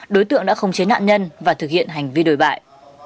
đối tượng đã không chế nạn nhân và thực hiện hành vi đồi bại